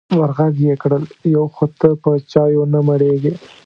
ور غږ یې کړل: یو خو ته په چایو نه مړېږې.